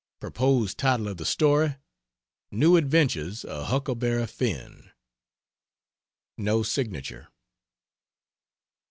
Proposed title of the story, "New Adventures of Huckleberry Finn." [No signature.